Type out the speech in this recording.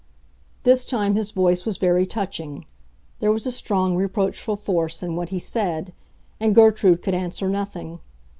This time his voice was very touching; there was a strong, reproachful force in what he said, and Gertrude could answer nothing.